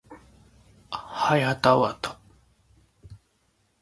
はやたわた